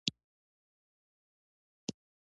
د چرګانو فارمونه په ټول هیواد کې دي